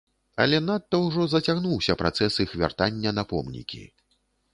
Але надта ўжо зацягнуўся працэс іх вяртання на помнікі.